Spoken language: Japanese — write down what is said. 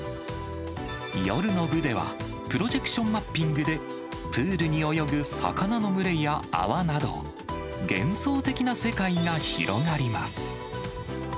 夜の部では、プロジェクションマッピングで、プールに泳ぐ魚の群れや泡など、幻想的な世界が広がります。